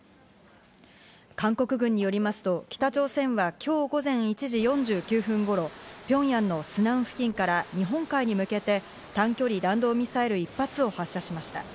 韓国軍によりますと、北朝鮮は今日午前１時４９分頃、ピョンヤンのスナン付近から日本海に向けて短距離弾道ミサイル１発を発射しました。